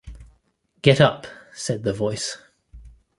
"Get up," said the Voice.